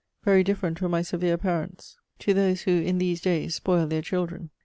Very different were my severe parents to those who, in these days, spoil their children.